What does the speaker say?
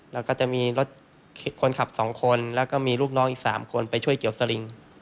แล้วก็จะมีรถคนขับ๒คนแล้วก็มีลูกน้องอีก๓คนไปช่วยเกี่ยวสลิง